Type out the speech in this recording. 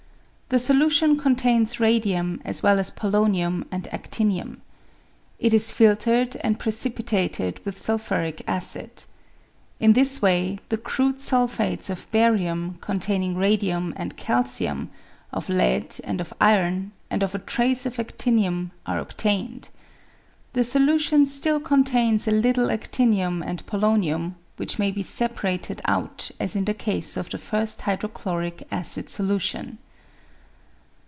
The solution contains radium as well as polonium and adinium. It is filtered and precipitated with sulphuric acid. In this way the crude sulphates of barium containing radium and calcium, of lead, and of iron, and of a trace of adinium are obtained. The solution still contains a little adinium and polonium, which maybe separated out as in the case of the first hydrochloric acid solution.